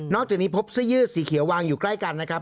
จากนี้พบเสื้อยืดสีเขียววางอยู่ใกล้กันนะครับ